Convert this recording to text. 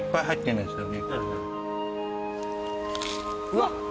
うわっ！